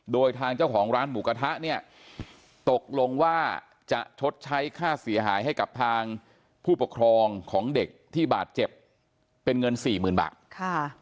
โดยทางเจ้าของร้านหมูกระทะเนี่ยตกลงว่าจะชดใช้ค่าเสียหายให้กับทางผู้ปกครองของเด็กที่บาดเจ็บเป็นเงินสี่หมื่นบาทค่ะ